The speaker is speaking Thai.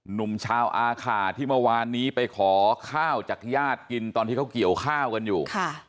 หนุ่มชาวอาขาที่เมื่อวานนี้ไปขอข้าวจากญาติกินตอนที่เขาเกี่ยวข้าวกันอยู่